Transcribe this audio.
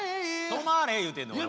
止まれ言うてんの俺は。